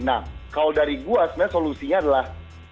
nah kalau dari gua sebenarnya solusinya adalah